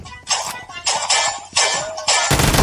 که هر اړخ بحث کاوه.